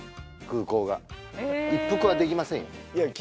空港がへえ一服はできませんよ？